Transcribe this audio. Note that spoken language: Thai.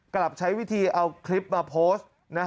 กลับใช้วิธีเอาคลิปมาโพสต์